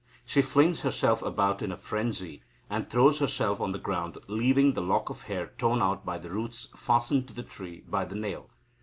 She flings herself about in a frenzy, and throws herself on the ground, leaving the lock of hair torn out by the roots fastened to the tree by the nail.